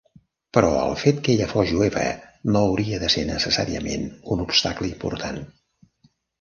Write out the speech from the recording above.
Però el fet de que ella fos jueva no hauria de ser necessàriament un obstacle important.